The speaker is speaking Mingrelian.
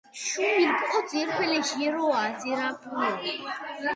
შუმილ კოც ირფელი ჟირო აძირუაფჷ.